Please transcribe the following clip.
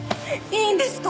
いいんですか？